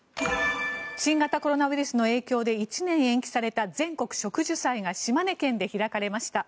新型コロナウイルスの影響で１年延期された全国植樹祭が島根県で開かれました。